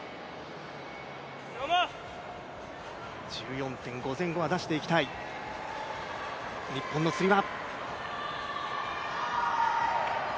１５．５前後は出していきたい、日本のつり輪。